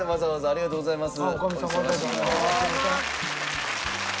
ありがとうございます。